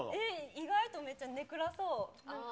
意外とめっちゃ根暗そう。